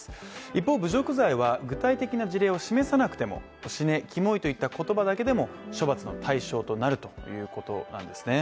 一方、侮辱罪は具体的な事例を示さなくても、死ね、きもいといった言葉だけでも処罰の対象となるということなんですね。